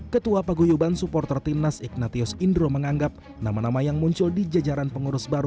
ketua paguyuban supporter timnas ignatius indro menganggap nama nama yang muncul di jajaran pengurus baru